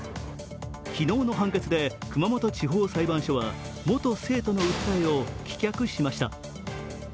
昨日の判決で熊本地方裁判所は元生徒の訴えを棄却しました。